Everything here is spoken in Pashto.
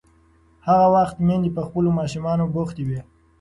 هغه وخت میندې په خپلو ماشومانو بوختې وې.